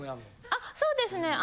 あそうですね。